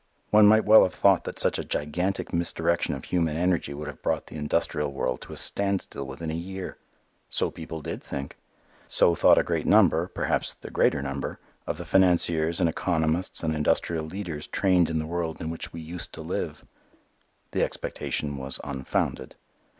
One might well have thought that such a gigantic misdirection of human energy would have brought the industrial world to a standstill within a year. So people did think. So thought a great number, perhaps the greater number, of the financiers and economists and industrial leaders trained in the world in which we used to live. The expectation was unfounded.